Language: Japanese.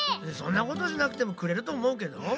そんなことしなくてもくれるとおもうけど。